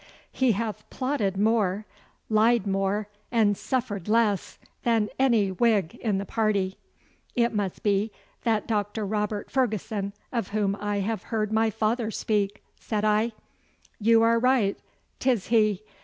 He hath plotted more, lied more, and suffered less than any Whig in the party.' 'It must be that Dr. Robert Ferguson of whom I have heard my father speak,' said I. 'You are right. 'Tis he.